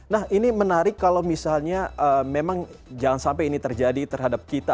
nah ini menarik kalau misalnya memang jangan sampai ini terjadi terhadap kita